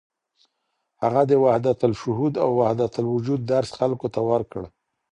هغه د وحدت الشهود او وحدت الوجود درس خلکو ته ورکړ.